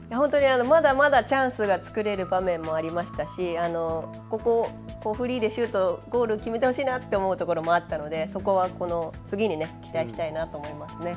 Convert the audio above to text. まだまだチャンスが作れる場面もありましたしフリーでシュート、ゴールを決めてほしいところもあったのでそこは次に期待したいなと思います。